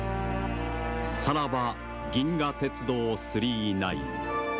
さらば、銀河鉄道９９９。